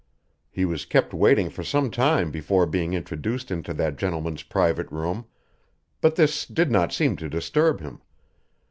He was kept waiting for some time before being introduced into that gentleman's private room; but this did not seem to disturb him.